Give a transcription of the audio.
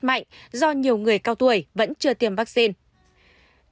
mạnh do nhiều người cao tuổi vẫn chưa tiêm vaccine